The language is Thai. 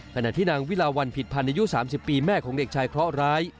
ขณะที่นางวิลาวัลผิดผ่านในยุคสามสิบปีแม่ของเด็กชายเคราะห์ร้าย